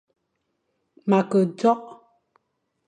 Ma ke ndjong.